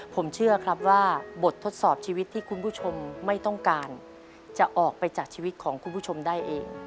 ผมเชื่อครับว่าบททดสอบชีวิตที่คุณผู้ชมไม่ต้องการจะออกไปจากชีวิตของคุณผู้ชมได้เอง